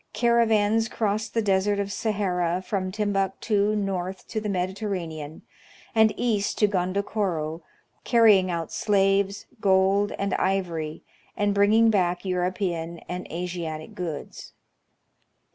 Cara vans crossed the Desert of Sahara from Timbuctu north to the Mediterranean, and east to Gondokoro, carrying out slaves, gold and ivory and bringing back European and Asiatic goods.